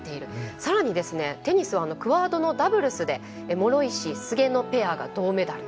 さらにテニスはクアードのダブルスで諸石と菅野ペアが銅メダル。